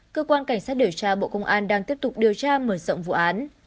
cơ quan cảnh sát điều tra bộ công an đang tiếp tục điều tra mở rộng vụ án